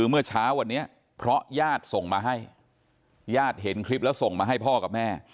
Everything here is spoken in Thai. เมื่อเช้าวันนี้เพราะญาติส่งมาให้ญาติเห็นคลิปแล้วส่งมาให้พ่อกับแม่